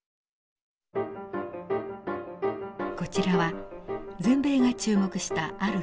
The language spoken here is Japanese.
こちらは全米が注目したある遭難事件です。